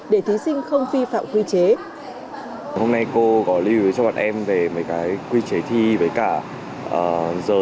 để thí sinh không phi phạm quy chế hôm nay cô có lưu cho bạn em về mấy cái quy chế thi với cả giờ